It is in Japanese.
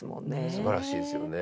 すばらしいですよね。